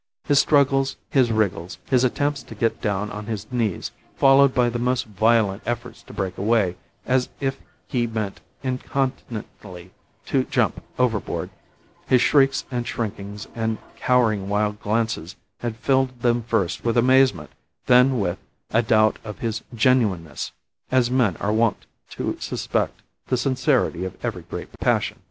His struggles, his wriggles, his attempts to get down on his knees, followed by the most violent efforts to break away, as if he meant incontinently to jump overboard, his shrieks and shrinkings and cowering wild glances had filled them first with amazement, then with a doubt of his genuineness, as men are wont to suspect the sincerity of every great passion.